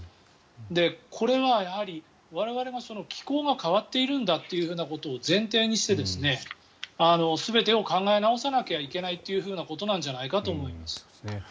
これはやはり我々も気候が変わっているんだということを前提にして全てを考え直さなきゃいけないということなんじゃないかと思います。